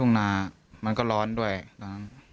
หนึ่งครั้ง